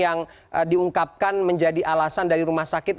yang diungkapkan menjadi alasan dari rumah sakit